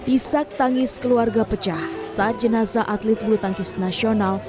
isak tangis keluarga pecah saat jenazah atlet bulu tangkis nasional